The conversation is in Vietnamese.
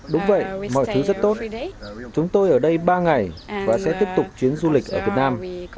đúng vậy mọi thứ rất tốt chúng tôi ở đây ba ngày và sẽ tiếp tục chuyến du lịch ở việt nam